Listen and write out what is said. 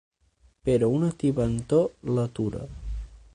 Però una tibantor l'atura.